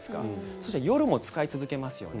そして、夜も使い続けますよね。